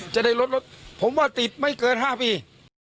จะได้ลดรถผมว่าติดไม่เกิน๕ปี